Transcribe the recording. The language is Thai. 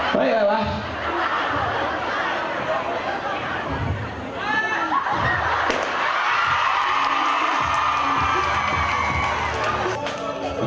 เฮ้ยอะไรวะ